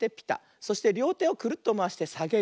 そしてりょうてをクルッとまわしてさげる。